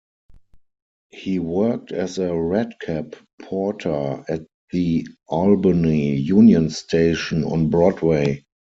He worked as a redcap porter at the Albany Union Station on Broadway.